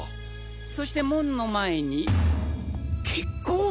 そして門の前に血痕？